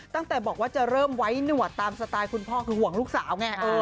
ตั้งแต่บอกว่าจะเริ่มไว้หนวดตามสไตล์คุณพ่อคือห่วงลูกสาวไง